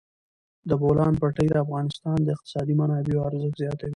د بولان پټي د افغانستان د اقتصادي منابعو ارزښت زیاتوي.